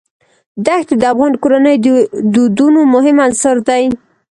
دښتې د افغان کورنیو د دودونو مهم عنصر دی.